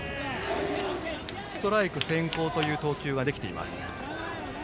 ストライク先行という投球ができています。